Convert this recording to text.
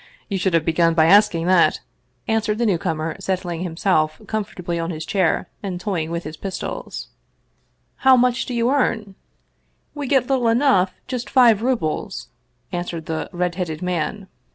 You should have begun by ask ing that !" answered the newcomer, settling himself com fortably on his chair and toying with his pistols. " How much do you earn ?" 192 Vsevolod Vladimir ovitch Krcstovski " We get little enough ! Just five rubles," answered the red headed man.